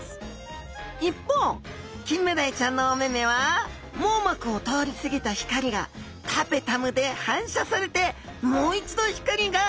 一方キンメダイちゃんのお目々は網膜を通り過ぎた光がタペタムで反射されてもう一度光が網膜を通過します。